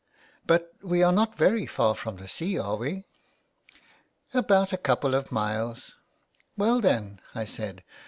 " But we are not very far from the sea, are we ?"" About a couple of miles.'' " Well then," I said.